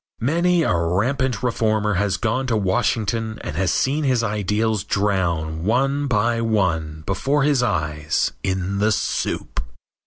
Many a rampant reformer has gone to Washington and has seen his ideals drown one by one before his eyes in the soup.